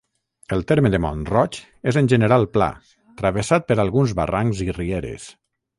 El terme de Mont-roig és en general pla, travessat per alguns barrancs i rieres.